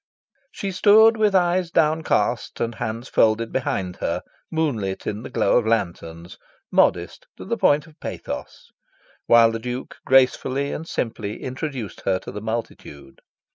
She stood with eyes downcast and hands folded behind her, moonlit in the glow of lanterns, modest to the point of pathos, while the Duke gracefully and simply introduced her to the multitude.